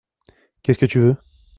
Qu’est-ce que tu veux ?